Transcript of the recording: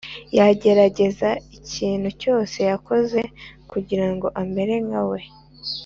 yagerageza ikintu cyose yakoze kugirango amere nka we.